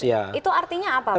itu artinya apa pak